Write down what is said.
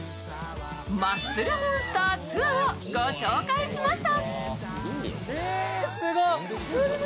マッスルモンスター２を紹介しました。